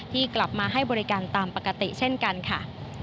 ที่กลับมาให้บริการตามปกติเช่นกันค่ะ